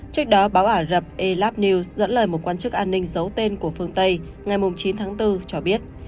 trước đó báo ả rập elaf news dẫn lời một quan chức an ninh giấu tên của phương tây ngày chín tháng bốn cho biết